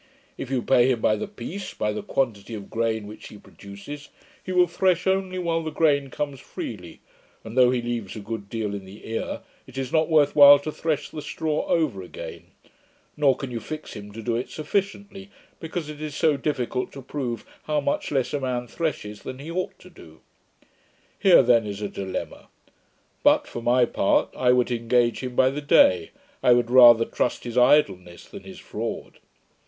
If you pay him by the piece, by the quantity of grain which he produces, he will thresh only while the grain comes freely, and, though he leaves a good deal in the ear, it is not worth while to thresh the straw over again; nor can you fix him to do it sufficiently, because it is so difficult to prove how much less a man threshes than he ought to do. Here then is a dilemma: but, for my part, I would engage him by the day; I would rather trust his idleness than his fraud.'